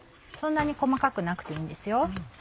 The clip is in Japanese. そんなに細かくなくていいんです。